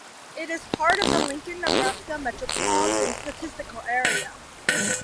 It is part of the Lincoln, Nebraska Metropolitan Statistical Area.